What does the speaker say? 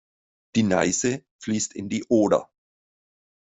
Die Neiße fließt in die Oder.